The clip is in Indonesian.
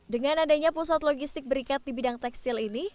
dengan adanya pusat logistik berikat di bidang tekstil ini